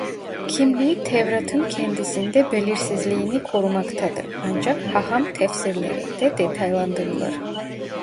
Kimliği Tevrat'ın kendisinde belirsizliğini korumaktadır ancak haham tefsirlerinde detaylandırılır.